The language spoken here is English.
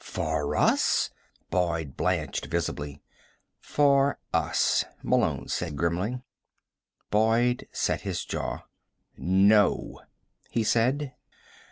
"For us?" Boyd blanched visibly. "For us," Malone said grimly. Boyd set his jaw. "No," he said.